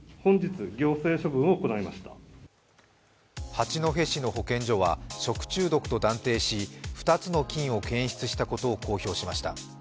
八戸市の保健所は食中毒と断定し、２つの菌を検出したことを公表しました。